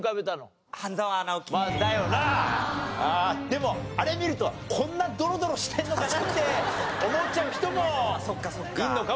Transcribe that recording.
でもあれ見るとこんなドロドロしてるのかなって思っちゃう人もいるのかもしれないわな。